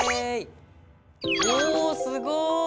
おおすごい！